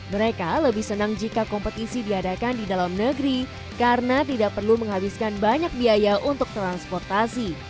mereka lebih senang jika kompetisi diadakan di dalam negeri karena tidak perlu menghabiskan banyak biaya untuk transportasi